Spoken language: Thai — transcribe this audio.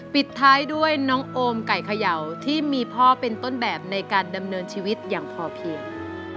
ปิดท้ายด้วยน้องโอมไก่เขย่าที่มีพ่อเป็นต้นแบบในการดำเนินชีวิตอย่างพอเพียง